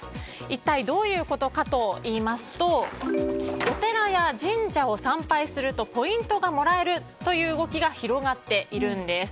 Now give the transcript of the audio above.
一体どういうことかといいますとお寺や神社を参拝するとポイントがもらえるという動きが広がっているんです。